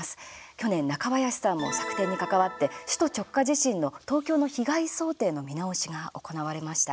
去年、中林さんも策定に関わって首都直下地震の、東京の被害想定の見直しが行われました。